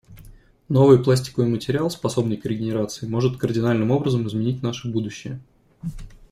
Новый пластиковый материал, способный к регенерации, может кардинальным образом изменить наше будущее.